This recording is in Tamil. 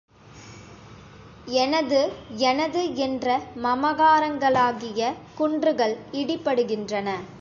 எனது எனது என்ற மமகாரங்களாகிய குன்றுகள் இடிபடுகின்றன.